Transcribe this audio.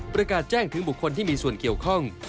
ประกาศแจ้งถึงบุคคลที่มีส่วนเกี่ยวข้อง